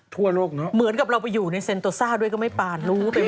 ทั่วโลกเนอะเหมือนกับเราไปอยู่ในเซ็นโตซ่าด้วยก็ไม่ปานรู้ตัวเอง